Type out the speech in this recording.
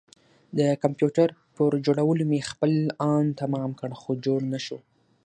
د کمپيوټر پر جوړولو مې خپل ان تمام کړ خو جوړ نه شو.